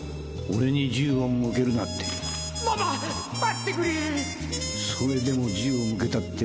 俺に銃を向けるなって。